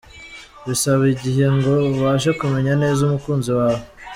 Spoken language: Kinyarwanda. Bisaba igihe ngo ubashe kumenya neza umukunzi wawe.